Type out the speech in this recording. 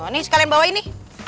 nih sekalian bawa ini